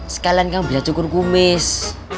sekalian kamu bisa cukur kumis